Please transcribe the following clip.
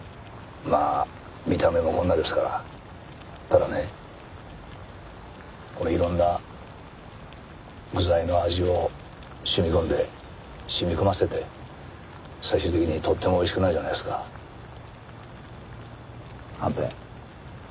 ただねいろんな具材の味を染み込んで染み込ませて最終的にとってもおいしくなるじゃないですかはんぺん。